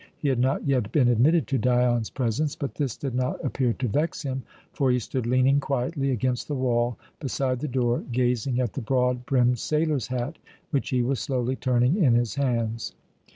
He had not yet been admitted to Dion's presence, but this did not appear to vex him, for he stood leaning quietly against the wall beside the door, gazing at the broad brimmed sailor's hat which he was slowly turning in his hands.